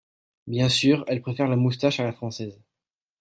Bien sûr, elle préfère la moustache à la française.